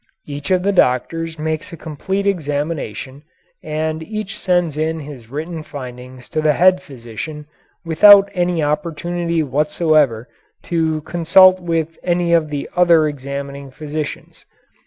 Each of the doctors makes a complete examination, and each sends in his written findings to the head physician without any opportunity whatsoever to consult with any of the other examining physicians.